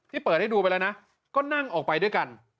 เปิดให้ดูไปแล้วนะก็นั่งออกไปด้วยกัน